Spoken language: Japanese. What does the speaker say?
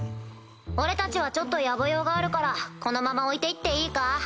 俺たちはちょっとやぼ用があるからこのまま置いて行っていいか？